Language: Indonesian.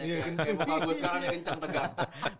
kayak muka gue sekarang ini kenceng tegang